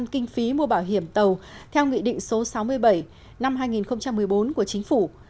kinh phí mua bảo hiểm tàu theo nghị định số sáu mươi bảy năm hai nghìn một mươi bốn của chính phủ